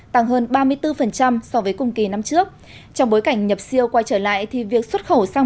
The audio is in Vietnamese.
tăng hơn ba mươi bốn so với cùng kỳ năm trước trong bối cảnh nhập siêu quay trở lại thì việc xuất khẩu sang